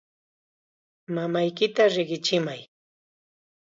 Mamayki riqichimay.